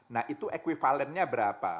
nah itu equivalentnya berapa